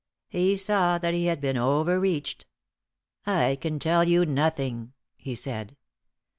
He saw that he had been over reached. "I can tell you nothing," he said.